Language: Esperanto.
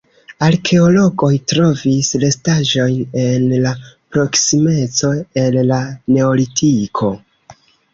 Arkeologoj trovis restaĵojn en la proksimeco el la neolitiko.